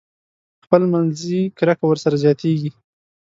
خپل منځي کرکه ورسره زياتېږي.